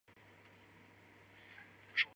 它常用于电镀。